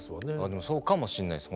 でもそうかもしんないです。